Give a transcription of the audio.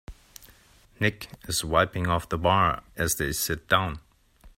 Nick is wiping off the bar as they sit down.